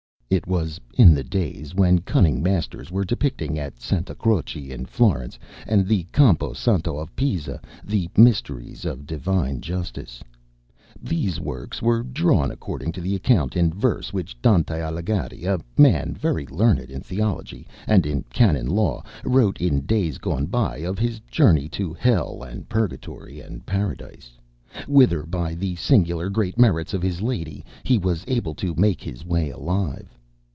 It was in the days when cunning masters were depicting at Santa Croce in Florence and the Campo Santo of Pisa the mysteries of Divine Justice. These works were drawn according to the account in verse which Dante Alighieri, a man very learned in Theology and in Canon Law, wrote in days gone by of his journey to Hell, and Purgatory and Paradise, whither by the singular great merits of his lady, he was able to make his way alive.